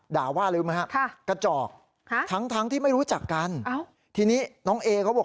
ด่าว่าลืมไหมฮะกระจอกทั้งที่ไม่รู้จักกันทีนี้น้องเอเขาบอก